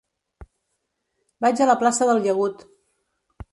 Vaig a la plaça del Llagut.